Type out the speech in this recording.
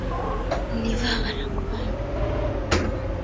Nilivaa barakoa ya baba